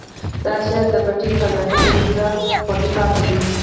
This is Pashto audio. دا شعر د پټې خزانې په وسیله خوندي پاتې دی.